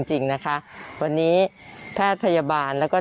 คุณหมอครับตอนที่ผมอยู่บ้านแล้วค่ะ